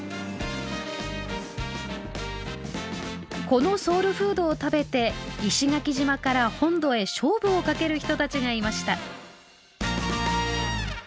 このソウルフードを食べて石垣島から本土へ勝負をかける人たちがいました。